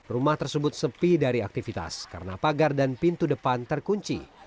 rumah tersebut sepi dari aktivitas karena pagar dan pintu depan terkunci